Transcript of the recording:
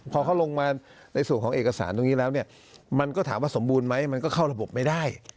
พอเขาลงมาในส่วนของเอกสารตรงนี้แล้วเนี่ยมันก็ถามว่าสมบูรณ์ไหมมันก็เข้าระบบไม่ได้